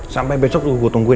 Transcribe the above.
sampai besok gue tungguin